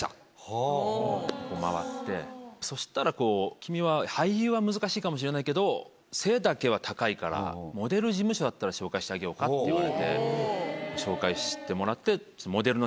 回ってそしたらこう「君は俳優は難しいかもしれないけど背だけは高いからモデル事務所だったら紹介してあげようか」って言われて紹介してもらって。